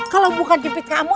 kalau bukan jepit kamu